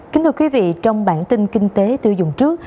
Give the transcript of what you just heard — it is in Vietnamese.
kính thưa quý vị trong bản tin kinh tế tiêu dùng trước